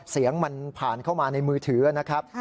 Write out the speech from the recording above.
เสียงมันผ่านเข้ามาในมือถือนะครับ